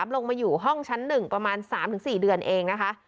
ลงมาอยู่ห้องชั้น๑ประมาณ๓๔เดือนเองนะคะ